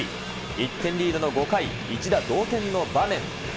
１点リードの５回、一打同点の場面。